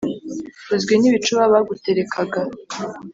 uzwi n'ibicuba baguterekaga.